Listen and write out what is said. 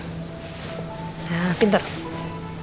biasanya kalau rena punya firasat seperti ini